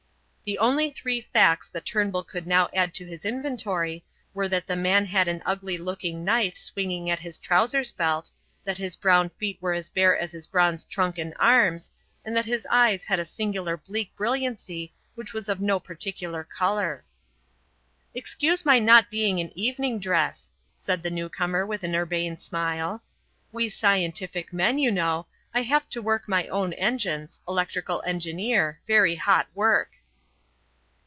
The only three facts that Turnbull could now add to his inventory were that the man had an ugly looking knife swinging at his trousers belt, that his brown feet were as bare as his bronzed trunk and arms, and that his eyes had a singular bleak brilliancy which was of no particular colour. "Excuse my not being in evening dress," said the newcomer with an urbane smile. "We scientific men, you know I have to work my own engines electrical engineer very hot work."